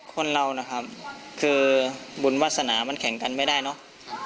คนเรานะครับคือบุญวาสนามันแข่งกันไม่ได้เนอะ